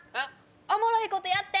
おもろいことやって！